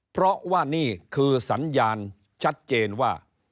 เพราะว่านี่คือสัญญาณชัดเจนว่า